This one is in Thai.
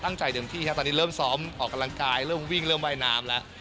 เต็มที่ครับตอนนี้เริ่มซ้อมออกกำลังกายเริ่มวิ่งเริ่มว่ายน้ำแล้ว